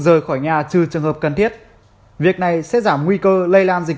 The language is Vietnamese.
rời khỏi nhà trừ trường hợp cần thiết việc này sẽ giảm nguy cơ lây lan dịch